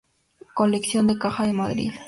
Colección Caja de Madrid.